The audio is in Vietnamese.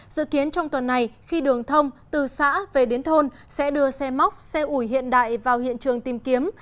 dự kiến trong tuần này khi đường thông từ xã về đến thôn sẽ đưa xe móc xe ủi hiện đại vào hiện trường tìm kiếm